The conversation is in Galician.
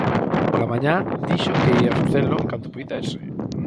Pola mañá dixo que ía facelo en canto puidese.